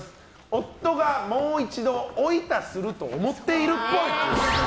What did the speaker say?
夫がもう１度おいたすると思っているっぽい。